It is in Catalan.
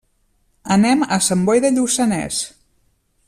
Anem a Sant Boi de Lluçanès.